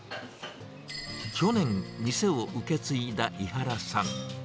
去年、店を受け継いだ井原さん。